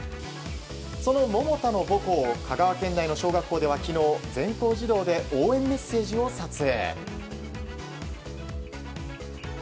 その桃田の母校香川県内の小学校では昨日、全校児童で応援メッセージを撮影。